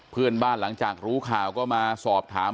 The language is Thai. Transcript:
เพื่อนบ้านหลังจากรู้ข่าวก็มาสอบถาม